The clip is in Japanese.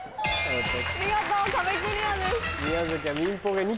見事壁クリアです。